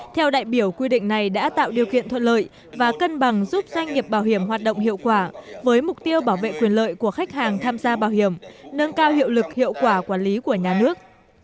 theo đại biểu quy định này đã tạo điều kiện thuận lợi và cân bằng giúp doanh nghiệp bảo hiểm hoạt động hiệu quả với mục tiêu bảo vệ quyền lợi của khách hàng tham gia bảo hiểm nâng cao hiệu lực hiệu quả quản lý của nhà nước